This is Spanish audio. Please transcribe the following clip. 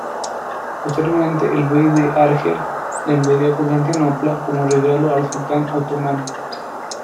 Posteriormente el bey de Argel la enviaría a Constantinopla, como regalo al sultán otomano.